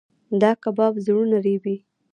دا کباب زړونه رېبي.